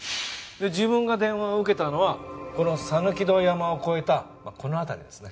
自分が電話を受けたのはこの三ノ木戸山を越えたこのあたりですね。